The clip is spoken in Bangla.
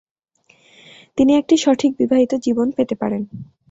তিনি একটি সঠিক বিবাহিত জীবন পেতে পারেন।